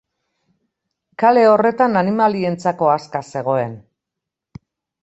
Kale horretan animalientzako aska zegoen.